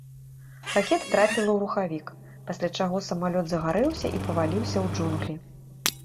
Ракета трапіла ў рухавік, пасля чаго самалёт загарэўся і паваліўся ў джунглі.